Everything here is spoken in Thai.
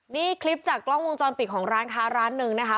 นี่คลิปจากกล้องวงจรปิดของร้านค้าร้านหนึ่งนะคะ